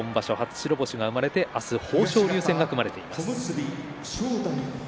初白星が生まれて明日、豊昇龍戦が組まれています。